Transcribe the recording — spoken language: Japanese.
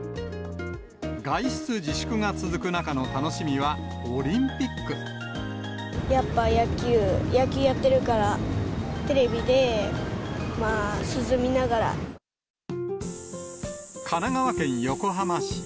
外出自粛が続く中の楽しみは、やっぱ野球、野球やってるから、テレビでまあ、神奈川県横浜市。